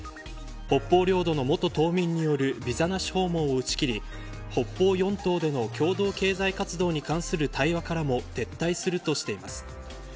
北方領土の元島民によるビザなし訪問を打ち切り北方四島での共同経済活動に関する対話からも撤退するとしています。